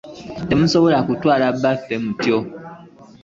Temusobola kutwala byaffe mutyo.